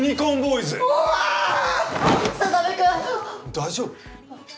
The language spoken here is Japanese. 大丈夫？